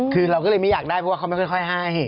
คือเราก็เลยไม่อยากได้เพราะว่าเขาไม่ค่อยให้